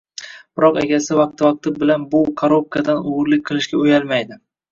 Biroq akasi vaqti vaqti bilan bu korobkadan o‘g‘irlik qilishga uyalmaydi.